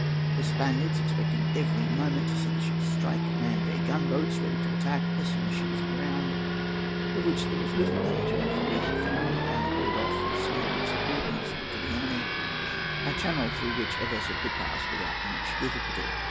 The Spaniards, expecting every moment to see the ship strike, manned their gunboats, ready to attack as soon as she was aground; of which there was little danger, for we had found, and buoyed off with small bits of wood invisible to the enemy, a channel through which a vessel could pass without much difficulty.